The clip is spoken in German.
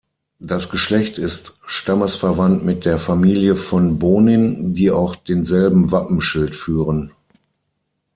Das Geschlecht ist stammesverwandt mit der Familie von Bonin, die auch denselben Wappenschild führen.